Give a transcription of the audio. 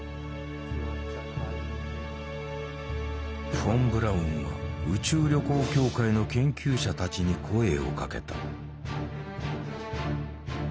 フォン・ブラウンは宇宙旅行協会の研究者たちに声をかけた。